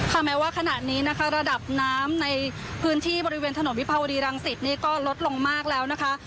แม้ว่าขณะนี้นะคะระดับน้ำในพื้นที่บริเวณถนนวิภาวดีรังสิตนี่ก็ลดลงมากแล้วนะคะ